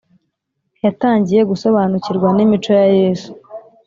Yatangiye gusobanukirwa n’imico ya Yesu